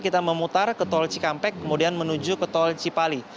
kita memutar ke tol cikampek kemudian menuju ke tol cipali